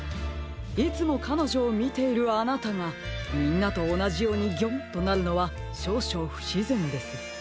いつもかのじょをみているあなたがみんなとおなじように「ギョン！」となるのはしょうしょうふしぜんです。